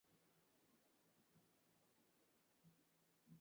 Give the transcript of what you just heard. বাচ্চাদের চিল্লাপাল্লা আমাদেরও সারারাত জাগিয়ে রেখেছিল!